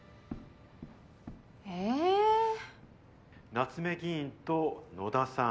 夏目議員と野田さん